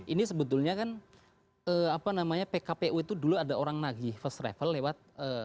ini sebetulnya kan pkpu itu dulu ada orang nagih first travel lewat